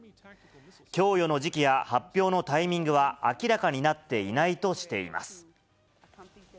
供与の時期や発表のタイミングは明らかになっていないとしています。